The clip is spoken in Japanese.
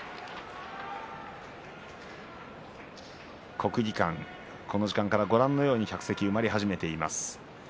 国技館、この時間からご覧のように客席が埋まり始めています。